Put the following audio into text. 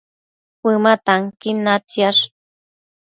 Cuëma tanquin natsiash